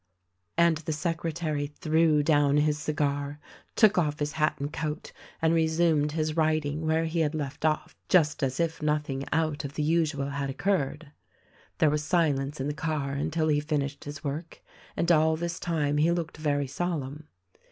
And the secretary threw down his cigar, took off his hat and coat, and resumed his writing where he had left off — just as if nothing out of the usual had occurred. There was silence in the car until he finished his work — and all this time he looked very solemn.